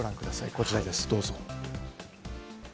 こちらです、どうぞ。